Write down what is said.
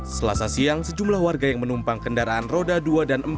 selasa siang sejumlah warga yang menumpang kendaraan roda dua dan empat